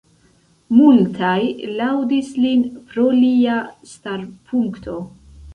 Multaj laŭdis lin pro lia starpunkto.